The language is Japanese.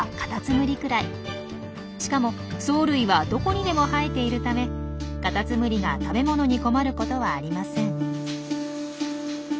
しかも藻類はどこにでも生えているためカタツムリが食べ物に困ることはありません。